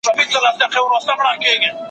ټولو هېر کړل توپانونه توند بادونه